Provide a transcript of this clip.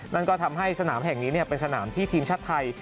นั่นก็ทำให้สนามแห่งนี้เป็นสนามที่ทีมชาติไทย